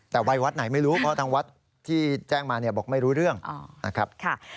แต่วัยวัดไหนไม่รู้เพราะทางวัดที่แจ้งมาบอกไม่รู้เรื่องนะครับ